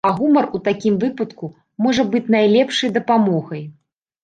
А гумар у такім выпадку можа быць найлепшай дапамогай.